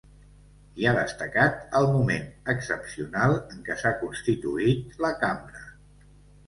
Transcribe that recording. I ha destacat el moment excepcional en què s’ha constituït la cambra.